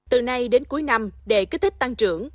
từ nay đến cuối năm để kích thích tăng trưởng